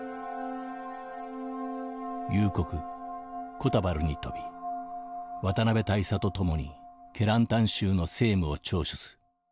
「夕刻コタバルに飛び渡辺大佐と共にケランタン州の政務を聴取す。